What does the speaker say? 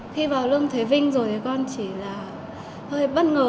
khi vào lương thế vinh rồi thì con chỉ là hơi bất ngờ